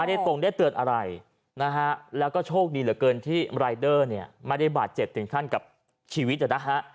ตรงได้เตือนอะไรนะฮะแล้วก็โชคดีเหลือเกินที่รายเดอร์เนี่ยไม่ได้บาดเจ็บถึงขั้นกับชีวิตนะฮะ